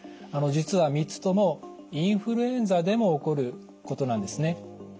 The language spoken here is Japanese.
あの実は三つともインフルエンザでも起こることなんですね。